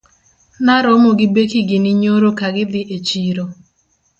Na romo gi Becky gini nyoro ka gidhii e chiro